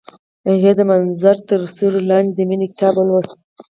هغې د منظر تر سیوري لاندې د مینې کتاب ولوست.